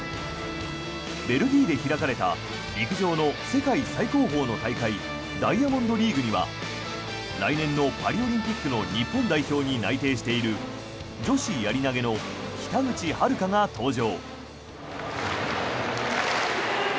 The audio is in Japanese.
ベルギーで開かれた陸上の世界最高峰の大会ダイヤモンドリーグには来年のパリオリンピックの日本代表に内定している女子やり投の北口榛花が登場。